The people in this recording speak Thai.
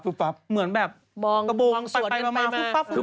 อะไรปั๊บเมื่อแบบกระโบงไปปั๊บพึก